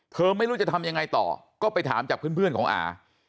ไม่รู้จะทำยังไงต่อก็ไปถามจากเพื่อนของอา